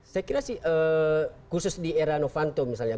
saya kira sih khusus di era novanto misalnya